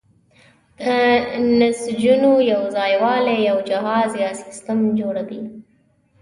د نسجونو یوځای والی یو جهاز یا سیستم جوړوي.